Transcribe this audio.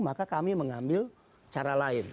maka kami mengambil cara lain